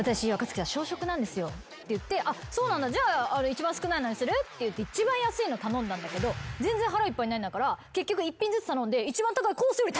「そうなんだじゃあ一番少ないのにする？」って一番安いの頼んだんだけど全然腹いっぱいになんないから結局１品ずつ頼んで。